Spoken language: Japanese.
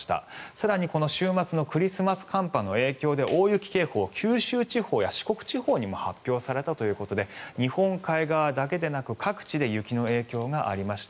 更に、この週末のクリスマス寒波の影響で大雪警報九州地方や四国地方にも発表されたということで日本海側だけでなく各地で雪の影響がありました。